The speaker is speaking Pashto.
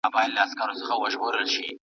ته د خپل پلار د سياسي فکر په اړه څه پوهېږې؟